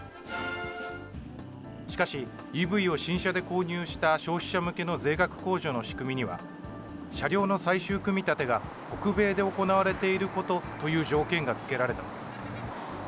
しかし、ＥＶを新車で購入した消費者向けの税額控除の仕組みには、車両の最終組み立てが北米で行われていることという条件が付けられたのです。